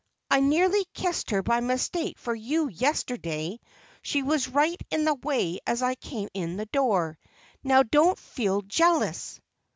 I nearly kissed her by mistake for you yesterday; she was right in the way as I came in the door. Now don't feel jealous!"